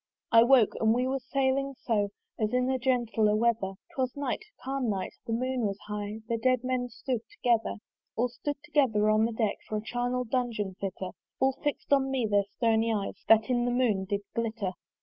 I woke, and we were sailing on As in a gentle weather: 'Twas night, calm night, the moon was high; The dead men stood together. All stood together on the deck, For a charnel dungeon fitter: All fix'd on me their stony eyes That in the moon did glitter.